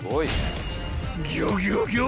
［ギョギョギョ！］